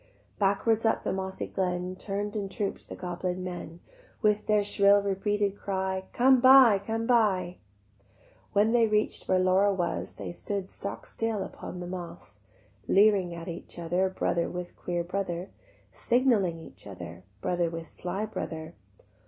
Backwards up the mossy glen Turn'd and troop'd the goblin men, With their shrill repeated cry, "Come buy, come buy." When they reach'd where Laura was They stood stock still upon the moss, Leering at each other, Brother with queer brother; Signalling each other, Brother with sly brother.